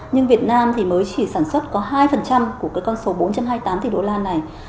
nhưng việt nam thì mới chỉ sản xuất có hai của con số bốn trăm hai mươi tám tỷ đô la này